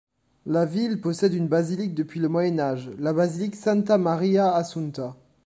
La ville possède une basilique depuis le Moyen Âge, la Basilique Santa-Maria Assunta.